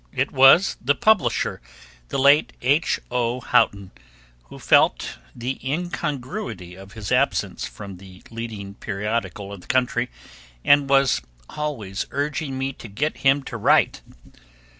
It was the publisher, the late H. O. Houghton, who felt the incongruity of his absence from the leading periodical of the country, and was always urging me to get him to write.